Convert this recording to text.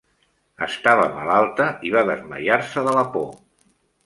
Estava malalta i va desmaiar-se de la por.